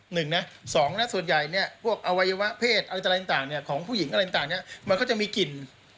หนึ่งส่วนใหญ่พวกอวัยวะเพศอะไรต่างของผู้หญิงอะไรต่างมันก็จะมีกลิ่น